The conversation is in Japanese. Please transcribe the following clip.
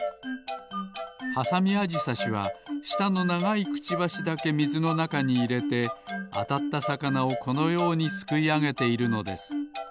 ハサミアジサシはしたのながいクチバシだけみずのなかにいれてあたったさかなをこのようにすくいあげているのです。